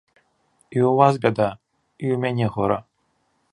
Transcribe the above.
І ў вас бяда, і ў мяне гора.